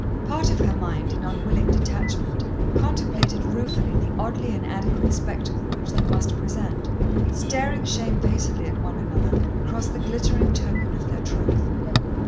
Part of her mind, in unwilling detachment, contemplated ruefully the oddly inadequate spectacle which they must present, staring shamefacedly at one another across the glittering token of their troth.